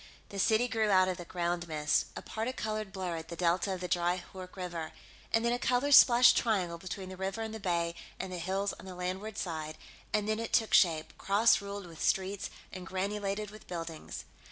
The city grew out of the ground mist, a particolored blur at the delta of the dry Hoork River, and then a color splashed triangle between the river and the bay and the hills on the landward side, and then it took shape, cross ruled with streets and granulated with buildings.